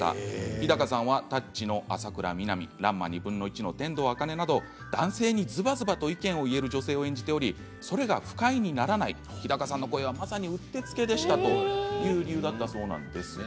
日高さんは「タッチ」の浅倉南「らんま１／２」の天道あかねなど男性にずばずばと意見を言える女性を演じておりそれが不快にならない日高さんの声はまさに、うってつけでしたという理由だったそうです。